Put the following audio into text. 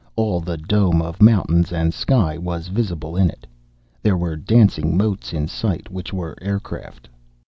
All the dome of mountains and sky was visible in it. There were dancing motes in sight, which were aircraft.